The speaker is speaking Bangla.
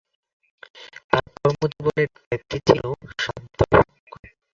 তার কর্মজীবনের ব্যপ্তি ছিল সাত দশক।